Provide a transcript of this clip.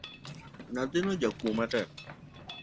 Nyathino jakuo matek.